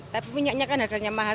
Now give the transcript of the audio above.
tapi minyaknya kan harganya mahal